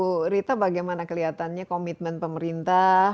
bu rita bagaimana kelihatannya komitmen pemerintah